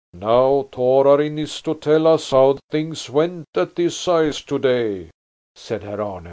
"Now Torarin is to tell us how things went at the assize today," said Herr Arne.